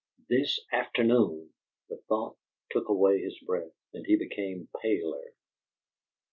"This afternoon!" The thought took away his breath, and he became paler.